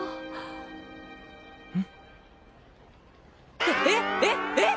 ってえっえっえっ！？